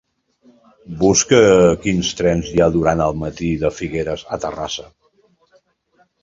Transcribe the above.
Busca quins trens hi ha durant el matí de Figueres a Terrassa.